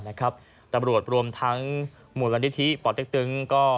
ตับบรวดรวมทั้งหมวดวรรณฤทธิปตริกตึง